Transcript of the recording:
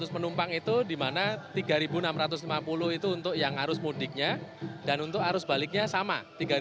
tujuh tiga ratus penumpang itu di mana tiga enam ratus lima puluh itu untuk yang arus mudiknya dan untuk arus baliknya sama tiga enam ratus lima puluh